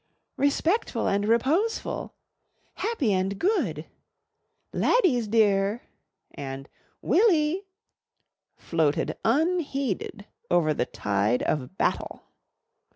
"Respectful and reposeful," "happy and good," "laddies dear," and "Willy" floated unheeded over the tide of battle.